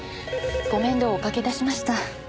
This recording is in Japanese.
ご面倒をおかけ致しました。